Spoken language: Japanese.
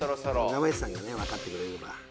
若林さんが分かってくれれば。